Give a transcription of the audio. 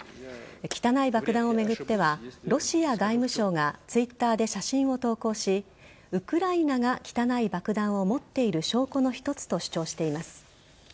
汚い爆弾を巡ってはロシア外務省がＴｗｉｔｔｅｒで写真を投稿しウクライナが汚い爆弾を持っている証拠の一つと主張しています。